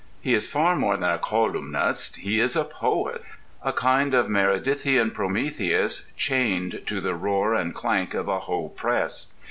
He is far more than a colyumist: he is a poet—a kind of Meredithian Prometheus chained to the roar and clank of a Hoe press.